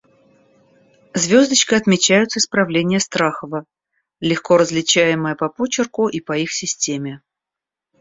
Звездочкой отмечаются исправления Страхова, легко различаемые по почерку и по их системе.